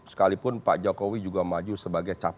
sekalipun pak jokowi juga maju sebagai capres dua ribu sembilan belas